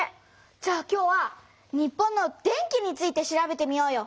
じゃあ今日は日本の電気について調べてみようよ！